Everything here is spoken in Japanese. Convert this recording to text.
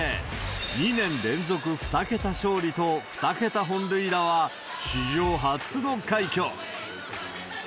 ２年連続２桁勝利と２桁本塁打は、史上初の快挙。